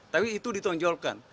tapi itu ditonjolkan